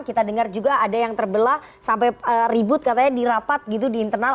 kita dengar juga ada yang terbelah sampai ribut katanya di rapat gitu di internal